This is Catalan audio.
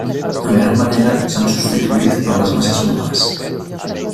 En gran manera s'han substituït per les masses molars.